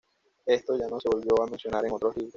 Esto ya no se volvió a mencionar en otros libros.